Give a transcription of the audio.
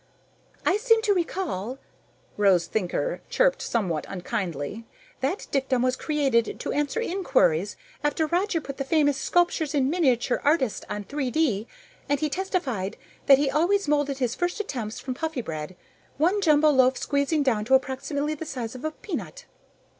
"I seem to recall," Rose Thinker chirped somewhat unkindly, "that dictum was created to answer inquiries after Roger put the famous sculptures in miniature artist on 3D and he testified that he always molded his first attempts from Puffybread, one jumbo loaf squeezing down to approximately the size of a peanut."